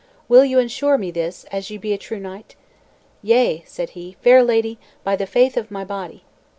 Will you insure me this, as ye be a true knight?" "Yea," said he, "fair lady, by the faith of my body."